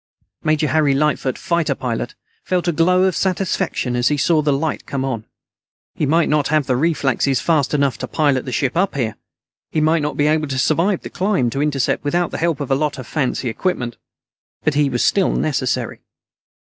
Major Harry Lightfoot, fighter pilot, felt a glow of satisfaction as he saw the light come on. He might not have reflexes fast enough to pilot the ship up here; he might not be able to survive the climb to intercept without the help of a lot of fancy equipment; but he was still necessary.